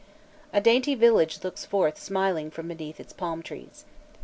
A dainty village looks forth smiling from beneath its palm trees.